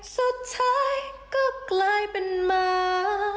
สุดท้ายก็กลายเป็นหมา